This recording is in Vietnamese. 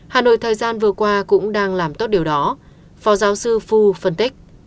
hà nội thời gian vừa qua cũng đang làm tốt điều đó phó giáo sư phu phân tích